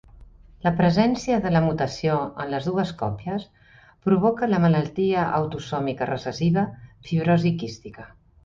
La presència de la mutació en les dues còpies provoca la malaltia autosòmica recessiva fibrosi quística.